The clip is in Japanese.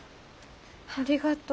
ありがとう。